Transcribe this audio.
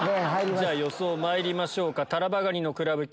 じゃ予想まいりましょうか。